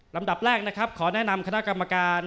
ลำดับแรกนะครับขอแนะนำคณะกรรมการ